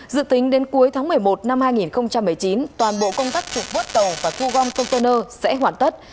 dự tính đến cuối tháng một mươi một năm hai nghìn một mươi chín toàn bộ công tác trục vớt tàu và thu gom container sẽ hoàn tất